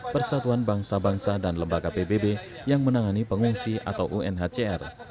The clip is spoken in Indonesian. persatuan bangsa bangsa dan lembaga pbb yang menangani pengungsi atau unhcr